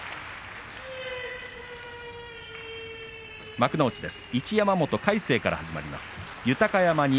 幕内です。